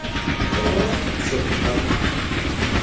Ayɣer ur tḥebbseḍ ddexxan?